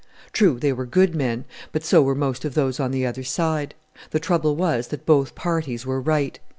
True, they were good men; but so were most of those on the other side. The trouble was that both parties were right.